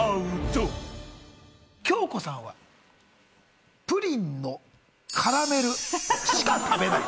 恭子さんはプリンのカラメルしか食べない。